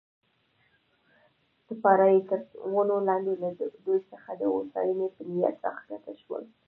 سپاره یې تر ونو لاندې له دوی څخه د هوساینې په نیت راکښته شول.